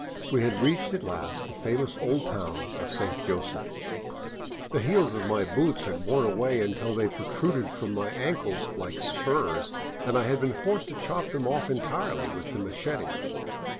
We had reached at last the famous old town of Saint Joseph. The heels of my boots had worn away until they protruded from my ankles like spurs, and I had been forced to chop them off entirely with the machete.